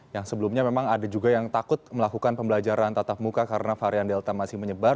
yang sebelumnya memang ada juga yang takut melakukan pembelajaran tatap muka karena varian delta masih menyebar